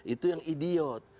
itu yang idiot